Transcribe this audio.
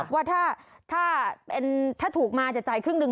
ว่าถ้าถูกมาจะจ่ายครึ่งหนึ่ง